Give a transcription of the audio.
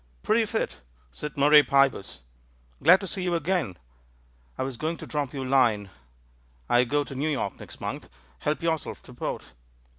"Pretty fit," said Murray Pybus. "Glad to see you again. I was going to drop you a line ; I go to New York next month. Help yourself to port."